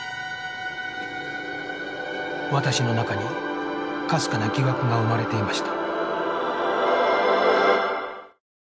私の中にかすかな疑惑が生まれていました